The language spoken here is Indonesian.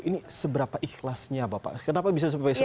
ini seberapa ikhlasnya bapak kenapa bisa seperti itu